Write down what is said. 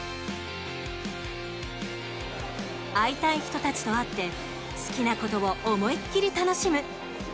会いたい人たちと会って好きなことを思いきり楽しむ。